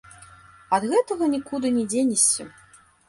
Ад гэтага нікуды не дзенешся.